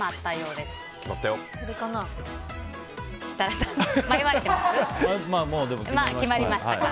でも決まりました。